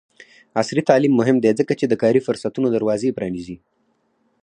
عصري تعلیم مهم دی ځکه چې د کاري فرصتونو دروازې پرانیزي.